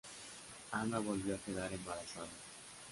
Anna volvió a quedar embarazada.